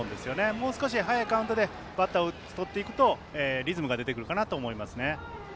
もう少し早いカウントでバッターを打ち取っていくとリズムが出てくるかなと思います。